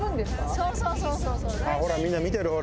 そうそうそうそう。